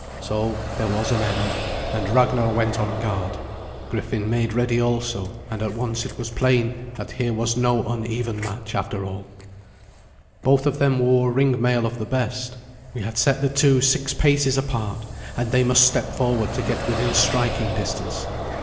So there was an end, and Ragnar went on guard. Griffin made ready also, and at once it was plain that here was no uneven match after all. Both of them wore ring mail of the best. We had set the two six paces apart, and they must step forward to get within striking distance.